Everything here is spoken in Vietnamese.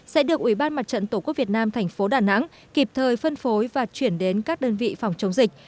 sẽ được ubnd tqvn tp đà nẵng kịp thời phân phối và chuyển đến các đơn vị phòng chống dịch